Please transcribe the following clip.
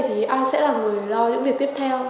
thì ai sẽ là người lo những việc tiếp theo